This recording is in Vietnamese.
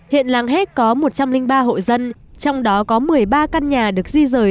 hiện làng héc có một trăm linh ba hộ dân trong đó có một mươi ba căn nhà được di rời